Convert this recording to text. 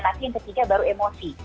tapi yang ketiga baru emosi